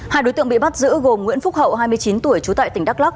hai đối tượng bị bắt giữ gồm nguyễn phúc hậu hai mươi chín tuổi trú tại tỉnh đắk lắc